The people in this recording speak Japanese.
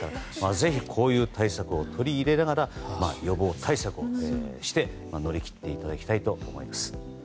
ぜひこういう対策を取り入れながら予防対策をして乗り切っていただきたいと思います。